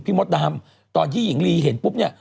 พี่มัดตามตอนที่หญิงลีเห็นปุ๊บ